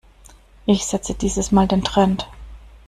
Ich setze dieses Mal den Trend.